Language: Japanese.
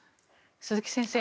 鈴木先生